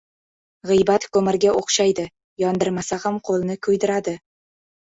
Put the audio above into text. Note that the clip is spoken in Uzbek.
• G‘iybat ko‘mirga o‘xshaydi, yondirmasa ham qo‘lni kuydiradi.